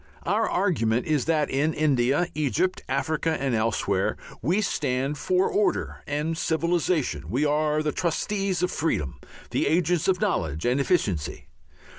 Our argument is that in India, Egypt, Africa and elsewhere, we stand for order and civilization, we are the trustees of freedom, the agents of knowledge and efficiency.